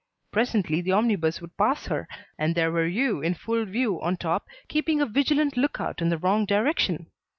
Presently the omnibus would pass her, and there were you in full view on top keeping a vigilant look out in the wrong direction.